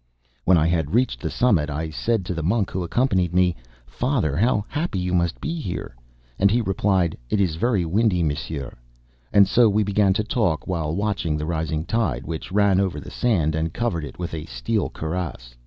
When I had reached the summit, I said to the monk who accompanied me: "Father, how happy you must be here!" And he replied: "It is very windy, Monsieur"; and so we began to talk while watching the rising tide, which ran over the sand and covered it with a steel cuirass.